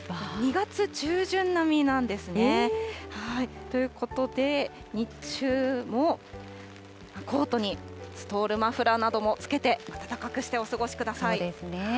２月中旬並みなんですね。ということで、日中もコートにストール、マフラーなどもつけて、暖かくしてお過ごしください。